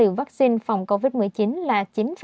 vaccine phòng covid một mươi chín là chín năm